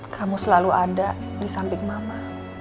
kamu selalu ada di samping mama